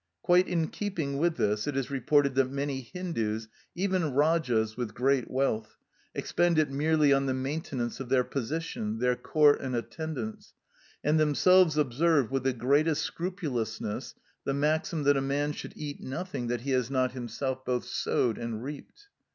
Quite in keeping with this, it is reported that many Hindus, even Rajas with great wealth, expend it merely on the maintenance of their position, their court and attendants, and themselves observe with the greatest scrupulousness the maxim that a man should eat nothing that he has not himself both sowed and reaped.